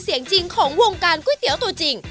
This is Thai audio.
เสียงจริงของวงการก๋วยเตี๋ยวตัวจริง